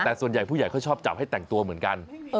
แต่ส่วนใหญ่ผู้ใหญ่เขาชอบจับให้แต่งตัวเหมือนกัน